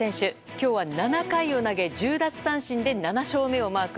今日は７回を投げ１０奪三振で７勝目をマーク。